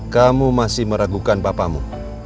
kamu masih meragukan papamu